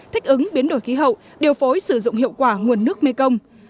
thích ứng biến đổi khí hậu điều phối sử dụng hiệu quả nguồn nước mekong